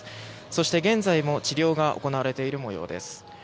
そして現在も治療が行われている模様です。